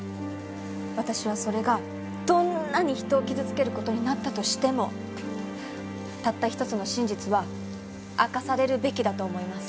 私はそれがどんなに人を傷つける事になったとしてもたった一つの真実は明かされるべきだと思います。